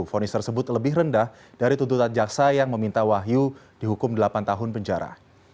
fonis tersebut lebih rendah dari tuntutan jaksa yang meminta wahyu dihukum delapan tahun penjara